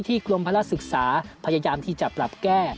กรมภาระศึกษาพยายามที่จะปรับแก้